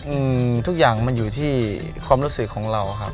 อืมทุกอย่างมันอยู่ที่ความรู้สึกของเราครับ